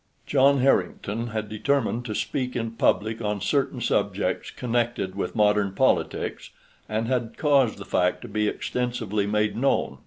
John Harrington had determined to speak in public on certain subjects connected with modern politics, and had caused the fact to be extensively made known.